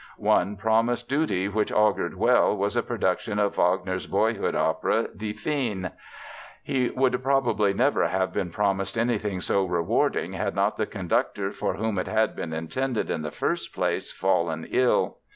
One promised duty which augured well was a production of Wagner's boyhood opera, Die Feen. He would probably never have been promised anything so rewarding had not the conductor for whom it had been intended in the first place fallen ill.